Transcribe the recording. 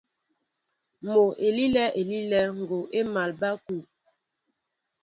Mɔ elilɛ elilɛ, ngɔɔ émal ɓăn kúw.